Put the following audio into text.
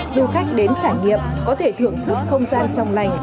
du khách đến trải nghiệm có thể thưởng thức không gian trong lành